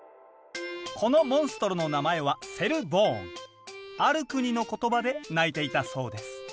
このモンストロの名前はある国の言葉で鳴いていたそうです